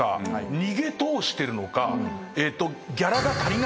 逃げ通してるのか？